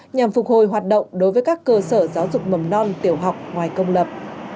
nhằm phục hồi hoạt động đối với các cơ sở giáo dục mầm non tiểu học ngoài công lập